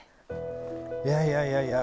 いやいやいやいや